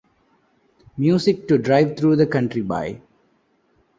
Music to drive through the country by.